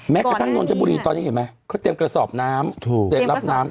กระทั่งนนทบุรีตอนนี้เห็นไหมเขาเตรียมกระสอบน้ำเตรียมรับน้ำ